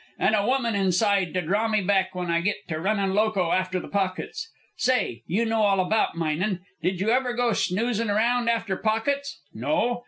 And a woman inside to draw me back when I get to runnin' loco after the pockets. Say, you know all about minin'. Did you ever go snoozin' round after pockets? No?